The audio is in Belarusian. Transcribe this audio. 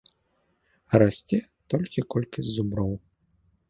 Расце толькі колькасць зуброў.